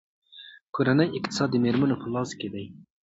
کورنۍ اقتصاد د میرمنو په لاس کې دی.